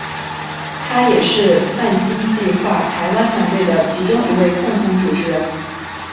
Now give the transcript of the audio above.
他也是泛星计画台湾团队的其中一位共同主持人。